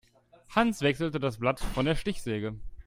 Hans wechselte das Blatt von der Stichsäge.